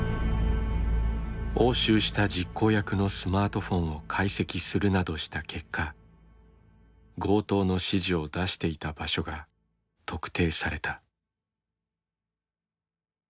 押収した実行役のスマートフォンを解析するなどした結果強盗の指示を出していた場所が特定された。